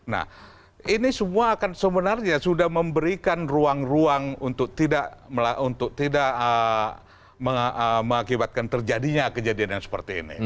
nah ini semua akan sebenarnya sudah memberikan ruang ruang untuk tidak mengakibatkan terjadinya kejadian yang seperti ini